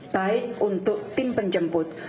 baik untuk tim penjemput